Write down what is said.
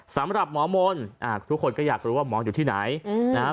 สำหรับหมอมนต์ทุกคนก็อยากรู้ว่าหมออยู่ที่ไหนนะครับ